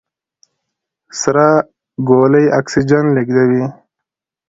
سره ګولۍ اکسیجن لېږدوي.